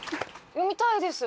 読みたいです。